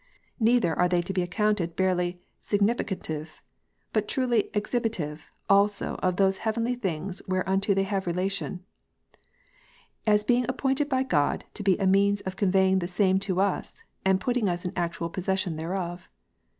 Neither are they to be accounted barely significat ive, but truly exhibitive also of those heavenly things where unto they have relation; as being appointed by God to be a means of conveying the same to us, and putting us in actual possession thereof.